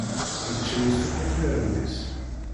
Yečča-as akk akraren-is.